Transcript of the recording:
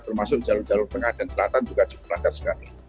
termasuk jalur jalur tengah dan selatan juga cukup lancar sekali